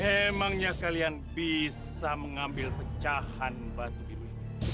emangnya kalian bisa mengambil pecahan batu biru ini